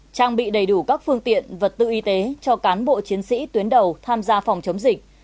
trang bị đầy đủ các phương tiện vật tư y tế cho cán bộ chiến sĩ tuyến đầu tham gia phòng chống dịch